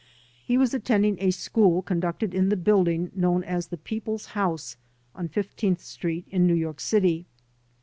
He was attending a school conducted in the building known as the People's House on ISth Street in New York City.